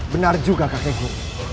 benar juga kakekku